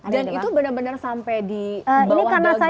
dan itu benar benar sampai di bawah dagu